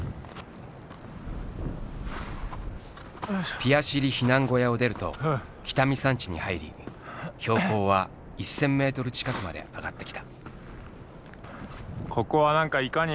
ピヤシリ避難小屋を出ると北見山地に入り標高は１，０００メートル近くまで上がってきた。